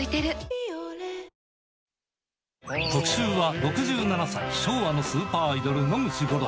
「ビオレ」特集は６７歳、昭和のスーパーアイドル、野口五郎。